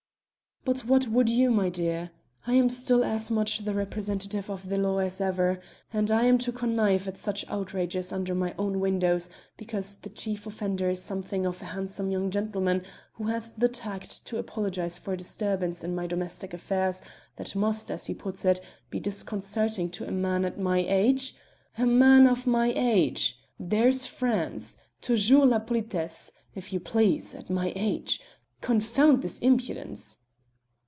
"But what would you, my dear? I am still as much the representative of the law as ever, and am I to connive at such outrages under my own windows because the chief offender is something of a handsome young gentleman who has the tact to apologise for a disturbance in my domestic affairs that must, as he puts it, be disconcerting to a man at my age? A man of my age there's France! toujours la politesse, if you please! At my age! Confound his impudence!"